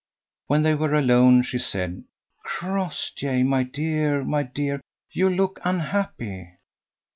When they were alone, she said: "Crossjay, my dear, my dear! you look unhappy."